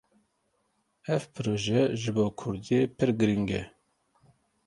Ev proje ji bo Kurdî pir giring e.